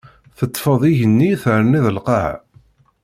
Teṭṭfeḍ igenni terniḍ lqaɛa!